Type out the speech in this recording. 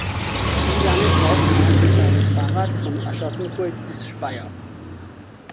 Wie lange braucht man mit dem Fahrrad von Aschaffenburg bis Speyer?